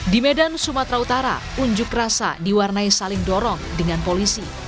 di medan sumatera utara unjuk rasa diwarnai saling dorong dengan polisi